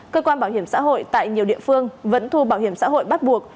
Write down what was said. cơ quan bảo hiểm xã hội tại nhiều địa phương vẫn thu bảo hiểm xã hội bắt buộc